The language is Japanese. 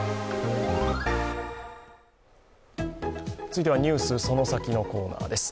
続いては「ＮＥＷＳそのサキ！」のコーナーです。